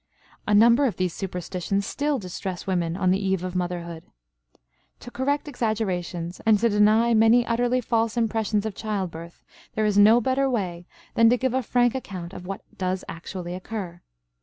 A number of these superstitions still distress women on the eve of motherhood. To correct exaggerations and to deny many utterly false impressions of childbirth there is no better way than to give a frank account of what does actually occur.